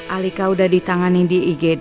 alika udah ditangani di igd